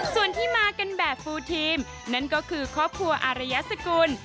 ส่วนที่มากันแบบฟูลทีมนั่นก็คือครอบครัวอารยสกุล